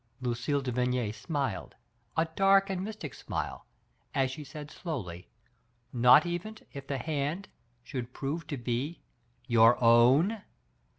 *' Lucille de Vigny smiled, a dark and mystic smile, as she said slowly, "Not even if the hand should prove to be your oivn